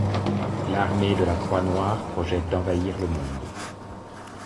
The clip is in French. L'Armée de la Croix noire projette d'envahir le monde.